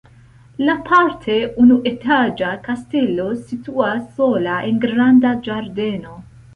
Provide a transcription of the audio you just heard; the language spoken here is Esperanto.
La parte unuetaĝa kastelo situas sola en granda ĝardeno.